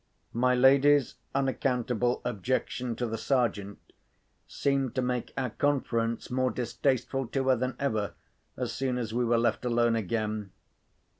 My lady's unaccountable objection to the Sergeant seemed to make our conference more distasteful to her than ever, as soon as we were left alone again.